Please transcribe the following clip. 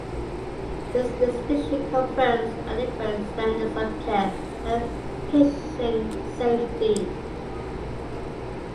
This distinction confirms adequate standards of care and patient safety.